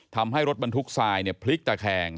ทำให้รถบรรทุกทรายพลิกตะแคง